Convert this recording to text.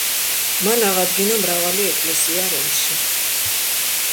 მან აღადგინა მრავალი ეკლესია რომში.